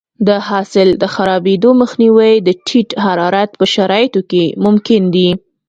د حاصل د خرابېدو مخنیوی د ټیټ حرارت په شرایطو کې ممکن دی.